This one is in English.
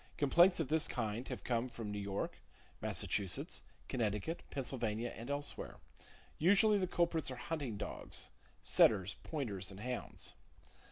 Complaints of this kind have come from New York, Massachusetts, Connecticut, Pennsylvania and elsewhere. Usually the culprits are hunting dogs—setters, pointers and hounds.